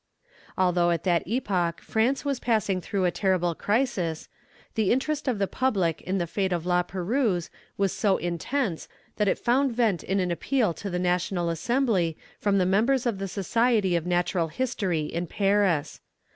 Although at that epoch France was passing through a terrible crisis, the interest of the public in the fate of La Perouse was so intense that it found vent in an appeal to the National Assembly from the members of the Society of Natural History in Paris.